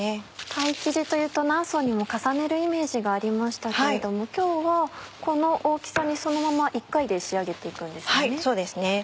パイ生地というと何層にも重ねるイメージがありましたけれども今日はこの大きさにそのまま１回で仕上げて行くんですね。